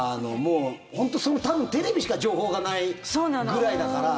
本当、多分、テレビしか情報がないぐらいだから。